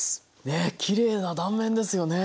ねえきれいな断面ですよね。